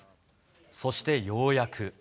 そしてようやく。